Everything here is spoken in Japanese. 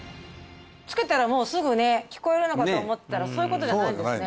つけたらもうすぐね聞こえるのかと思ったらそういうことじゃないんですね